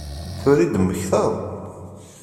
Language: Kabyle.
Tura i d-temmektaḍ?